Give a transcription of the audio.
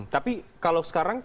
tapi kalau sekarang